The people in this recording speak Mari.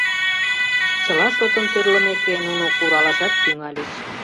Чыла шотым тӧрлымеке, нуно куралашат тӱҥальыч.